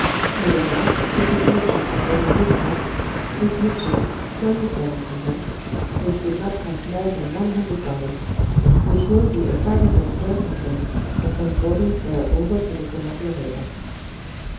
With an axe we could purchase of them a good horse, we purchased twenty seven from them, which did not cost more than one hundred dollars; which will be a favora ble circumstance for transporting Fur over to the Columbia river.